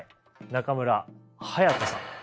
中村隼人さん。